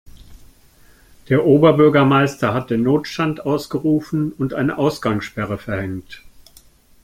Der Oberbürgermeister hat den Notstand ausgerufen und eine Ausgangssperre verhängt.